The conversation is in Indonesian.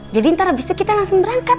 jadi nanti kita langsung berangkat